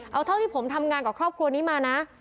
เอาเท่าที่ผมทำงานกับครอบครัวนี้มานะ